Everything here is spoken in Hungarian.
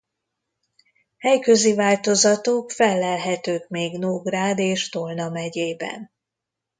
Helyközi változatok fellelhetők még Nógrád és Tolna megyében.